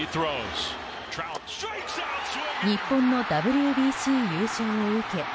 日本のＷＢＣ優勝を受け